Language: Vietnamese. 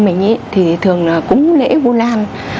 mình thì thường là cúng lễ vua lan